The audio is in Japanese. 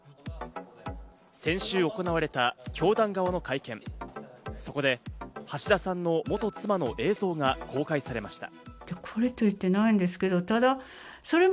先週行われた教団側の会見、そこで橋田さんの元妻の映像が公開されました。